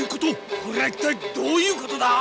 これは一体どういうことだ！